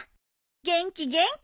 元気元気。